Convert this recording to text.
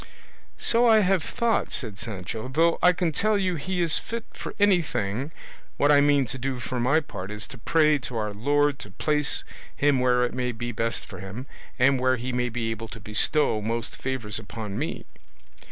"So I have thought," said Sancho; "though I can tell you he is fit for anything: what I mean to do for my part is to pray to our Lord to place him where it may be best for him, and where he may be able to bestow most favours upon me."